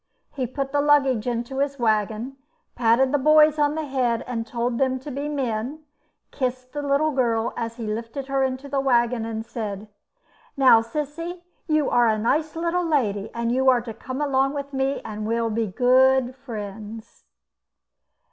He put the luggage into his waggon, patted the boys on the head and told them to be men; kissed the little girl as he lifted her into the waggon, and said: "Now, Sissy, you are a nice little lady, and you are to come along with me, and we'll be good friends."